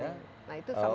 nah itu sampai